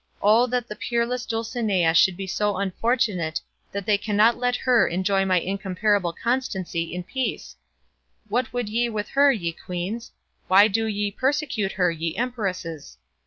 O that the peerless Dulcinea should be so unfortunate that they cannot let her enjoy my incomparable constancy in peace! What would ye with her, ye queens? Why do ye persecute her, ye empresses?